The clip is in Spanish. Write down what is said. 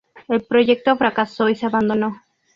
El proyecto fracasó y se abandonó.